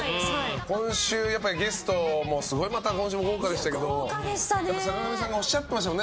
今週、ゲストもすごいまた今週も豪華でしたけども坂上さんがおっしゃっていましたもんね。